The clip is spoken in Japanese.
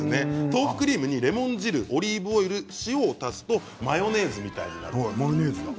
豆腐クリームに、レモン汁オリーブオイル、塩を足すとマヨネーズのようになります。